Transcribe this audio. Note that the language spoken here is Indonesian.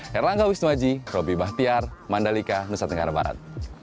herlangga wisnuaji robby bahtiar mandalika nusa tenggara barat